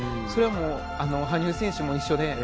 それは羽生選手も一緒で。